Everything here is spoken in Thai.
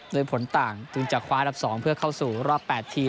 โดยผลต่างจึงจะคว้าอันดับ๒เพื่อเข้าสู่รอบ๘ทีม